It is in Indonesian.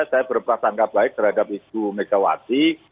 saya berpaksa angka baik terhadap isu megawati